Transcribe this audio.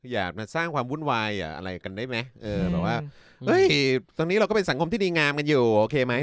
อยากมาสร้างความวุ่นวายอะไรกันได้ไหมเออแบบว่าตรงนี้เราก็เป็นสังคมที่ดีงามกันอยู่โอเคไหม